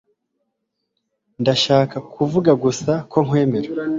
Ndashaka kuvuga gusa ko nkwemera.